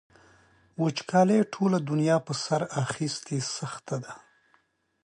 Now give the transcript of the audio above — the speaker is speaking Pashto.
وچکالۍ ټوله دنیا په سر اخیستې سخته ده.